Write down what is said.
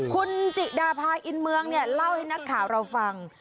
คุณจิดาพาอินเมืองเนี่ยเล่าให้นักข่าวเราฟัง